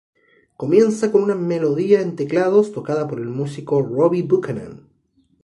Comienza con una melodía en teclados tocada por el músico Robbie Buchanan.